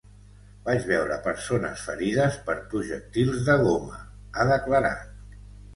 Vaig veure persones ferides per projectils de goma, ha declarat.